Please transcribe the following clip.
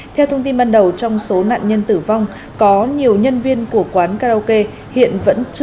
theo thông tin ban đầu trong số nạn nhân tử vong có nhiều nhân viên của quán karaoke hiện vẫn chưa xác định được danh tính cụ thể